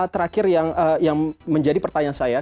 terakhir yang menjadi pertanyaan saya